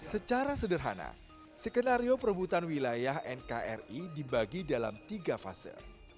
secara sederhana skenario perebutan wilayah nkri dibagi dalam tiga fase